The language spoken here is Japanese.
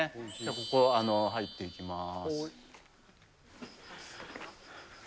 ここ、入っていきます。